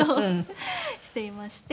していまして。